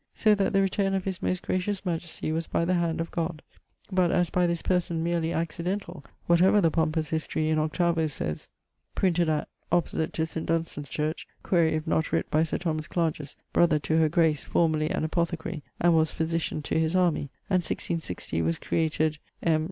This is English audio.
So that the return of his most gracious majestie was by the hand of GOD[XXXII.]; but as by this person meerly accidentall, whatever the pompous History in 8vo. sayes (printed at ... opposite to St. Dunstan's church: quaere if not writt by Sir Thomas Clargies, brother to her Grace, formerly an apothecary; and was physician to his army, and 1660 was created M.